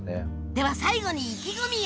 では最後に意気込みを！